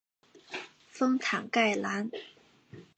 丰坦盖兰。